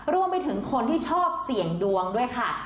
รวมไปถึงคนที่ชอบเสี่ยงดวงด้วยค่ะ